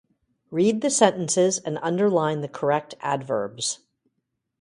Read the sentences and underline the correct adverbs.